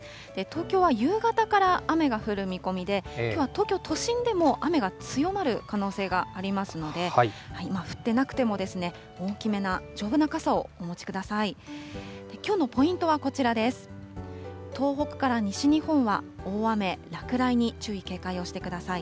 東京は夕方から雨が降る見込みで、きょうは東京都心でも雨が強まる可能性がありますので、降ってなくても、大きめな、丈夫な傘をお持ちください。